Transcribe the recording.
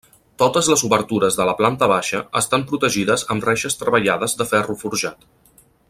Totes les obertures de la planta baixa estan protegides amb reixes treballades de ferro forjat.